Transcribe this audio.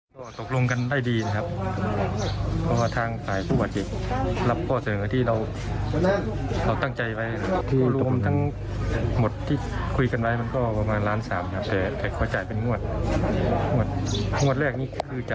เป็นงวดเป็นงวดเป็น๓เดือนจนครบ๑๓๐๐๐๐๐บาทภายในระยะเวลา๓ปี